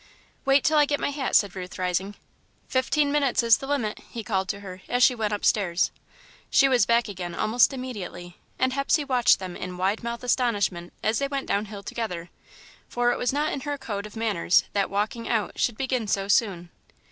"Wait till I get my hat," said Ruth, rising. "Fifteen minutes is the limit," he called to her, as she went upstairs. She was back again almost immediately, and Hepsey watched them in wide mouthed astonishment as they went down hill together, for it was not in her code of manners that "walking out" should begin so soon.